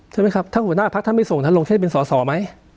ใช่ไหมครับถ้าหัวหน้าพักท่านไม่ส่งท่านลงเช่นเป็นสอสอไหม